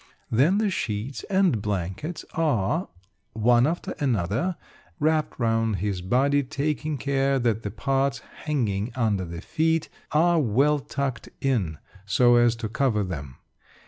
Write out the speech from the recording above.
Then the sheets and blankets are, one after another, wrapped round his body, taking care that the parts hanging under the feet are well tucked in so as to cover them.